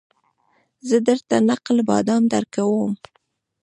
زه درته نقل بادام درکوم